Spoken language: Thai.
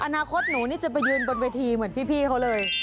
อนาคตหนูนี่จะไปยืนบนเวทีเหมือนพี่เขาเลย